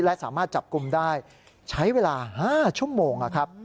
และสามารถจับกลุ่มได้ใช้เวลา๕ชั่วโมงนะครับ